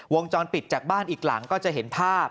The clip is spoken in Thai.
วงจรปิดจากบ้านอีกหลังก็จะเห็นภาพ